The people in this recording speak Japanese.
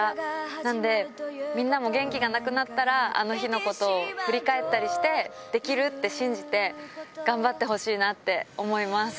なんで、みんなも元気がなくなったら、あの日のことを振り返ったりして、できるって信じて、頑張ってほしいなって思います。